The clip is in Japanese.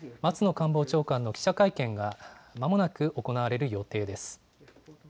官房長官の記者会見が、まもなく行われる予定です。